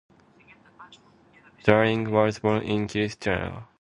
Danning was born in Kristiania (now Oslo).